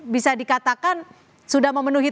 bisa dikatakan sudah memenuhi